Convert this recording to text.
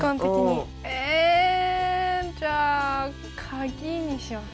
ええ。じゃあ鍵にします。